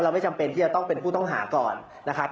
ไม่จำเป็นที่จะต้องเป็นผู้ต้องหาก่อนนะครับ